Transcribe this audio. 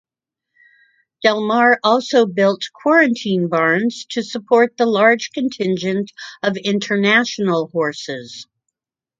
Del Mar also built quarantine barns to support the large contingent of international horses.